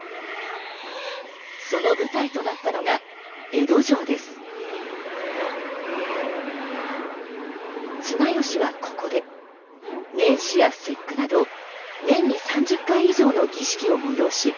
その舞台となったのが綱吉はここで年始や節句など年に３０回以上の儀式を催し